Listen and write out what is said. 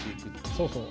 そうそう。